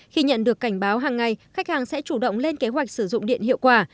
khi nhận được cảnh báo hàng ngày khách hàng sẽ chủ động lên kế hoạch sử dụng điện hiệu quả